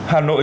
hà nội dựa